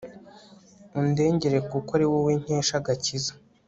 undengere kuko ari wowe nkesha agakiza